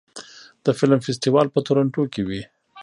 د فلم فستیوال په تورنټو کې وي.